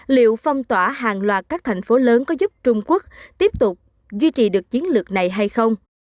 liệu phong tỏa hàng loạt các thành phố lớn có giúp trung quốc tiếp tục duy trì được chiến lược này hay không